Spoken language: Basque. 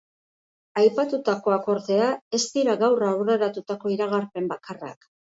Aipatutakoak, ordea, ez dira gaur aurreratutako iragarpen bakarrak.